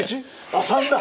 ああ３だ！